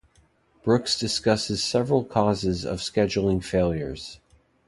Brooks discusses several causes of scheduling failures.